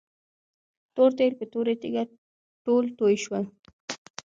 تور تیل په توره تيږه ټول توي شول.